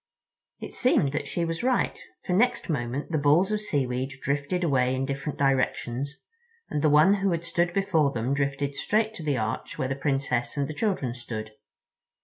It seemed that she was right, for next moment the balls of seaweed drifted away in different directions, and the one who had stood before them drifted straight to the arch where the Princess and the children stood.